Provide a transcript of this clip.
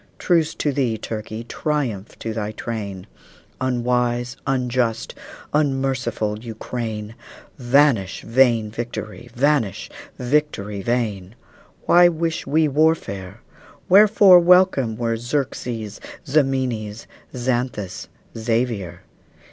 Truce to thee, Turkey! Triumph to thy train, Unwise, unjust, unmerciful Ukraine! Vanish vain victory! vanish, victory vain! Why wish we warfare? Wherefore welcome were Xerxes, Ximenes, Xanthus, Xavier?